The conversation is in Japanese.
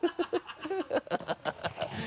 ハハハ